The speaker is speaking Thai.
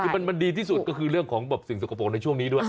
คือมันดีที่สุดก็คือเรื่องของสิ่งสกปรกในช่วงนี้ด้วย